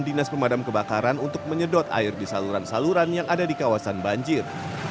dinas pemadam kebakaran untuk menyedot air di saluran saluran yang ada di kawasan banjir